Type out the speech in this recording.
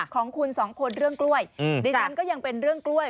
ของคุณสองคนเรื่องกล้วยดิฉันก็ยังเป็นเรื่องกล้วย